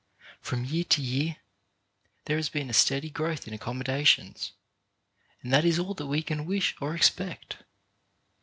From year to year there has been a steady growth in the accommodations, and that is all that we can wish or expect.